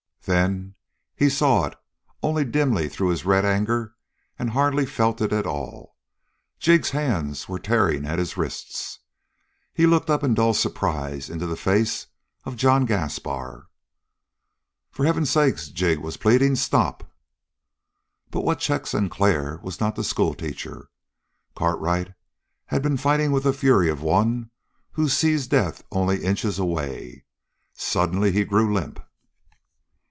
Then he saw it only dimly through his red anger and hardly felt it at all Jig's hands were tearing at his wrists. He looked up in dull surprise into the face of John Gaspar. "For heaven's sake," Jig was pleading, "stop!" But what checked Sinclair was not the schoolteacher. Cartwright had been fighting with the fury of one who sees death only inches away. Suddenly he grew limp.